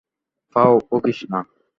ফাও বকিস না।